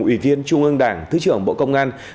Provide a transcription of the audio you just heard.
ủy viên trung ương đảng thứ trưởng bộ công an